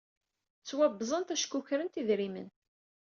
Ttwabẓent acku ukrent idrimen.